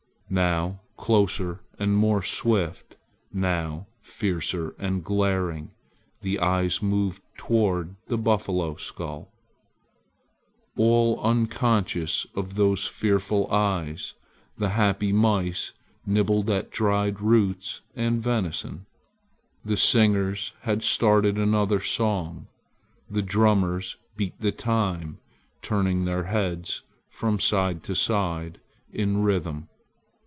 Now closer and more swift, now fiercer and glaring, the eyes moved toward the buffalo skull. All unconscious of those fearful eyes, the happy mice nibbled at dried roots and venison. The singers had started another song. The drummers beat the time, turning their heads from side to side in rhythm.